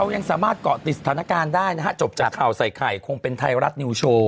ยังสามารถเกาะติดสถานการณ์ได้นะฮะจบจากข่าวใส่ไข่คงเป็นไทยรัฐนิวโชว